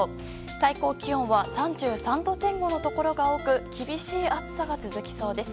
最高気温は３３度前後のところが多く厳しい暑さが続きそうです。